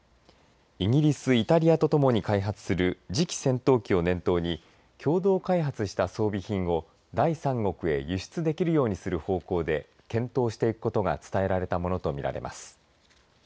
イギリス、イタリアと共に開発する次期戦闘機を念頭に共同開発した装備品を第三国へ輸出できるようにする方向で検討していくことが伝えられたものと見られます。